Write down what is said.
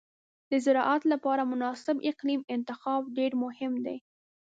د زراعت لپاره مناسب اقلیم انتخاب ډېر مهم دی.